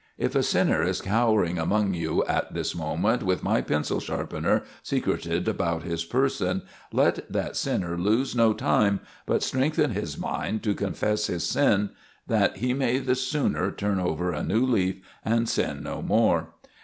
If a sinner is cowering among you at this moment, with my pencil sharpener secreted about his person, let that sinner lose no time, but strengthen his mind to confess his sin, that he may the sooner turn over a new leaf and sin no more."